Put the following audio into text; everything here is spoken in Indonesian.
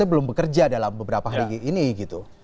sebelum bekerja dalam beberapa hari ini gitu